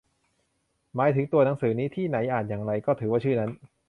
หมายถึงตัวหนังสือนี้ ที่ไหนอ่านอย่างไร ก็ถือว่าชื่อนั้น